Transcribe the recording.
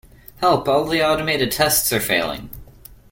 Help! All the automated tests are failing!